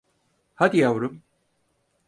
Hadi yavrum.